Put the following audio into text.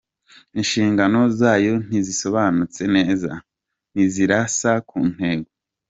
Inshingano zayo ntizisobanutse neza - ntizirasa ku ntego.